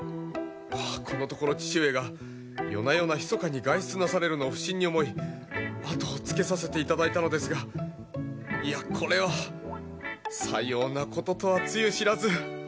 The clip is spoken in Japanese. このところ父上が夜な夜なひそかに外出なされるのを不審に思い後をつけさせていただいたのですがいやこれはさようなこととはつゆ知らず。